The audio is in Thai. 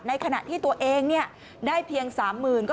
ในขณะที่ตัวเองได้เพียง๓๐๐๐